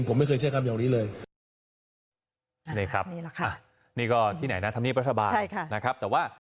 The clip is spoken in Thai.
ผมไม่เคยเชื่อคำโยงนี้เลย